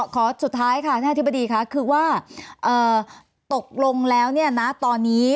ขอสุดท้ายค่ะท่านอธิบดีค่ะคือว่าตกลงแล้วเนี่ยนะตอนนี้